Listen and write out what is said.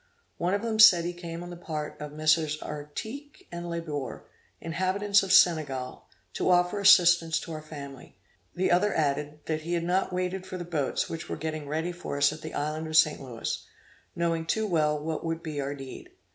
One of them said he came on the part of MM. Artigue and Laboure, inhabitants of Senegal, to offer assistance to our family; the other added, that he had not waited for the boats which were getting ready for us at the island of St. Louis, knowing too well what would be our need.